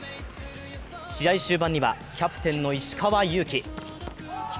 試合終盤には、キャプテンの石川祐希。